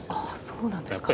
そうなんですか。